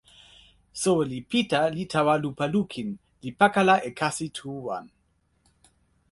soweli Pita li tawa lupa lukin, li pakala e kasi tu wan.